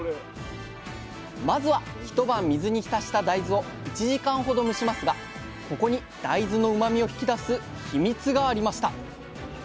まずは一晩水に浸した大豆を１時間ほど蒸しますがここに大豆のうまみを引き出すヒミツがありました